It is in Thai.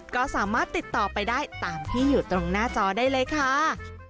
ก็สามารถติดต่อไปได้ตามที่อยู่ตรงหน้าจอได้เลยค่ะ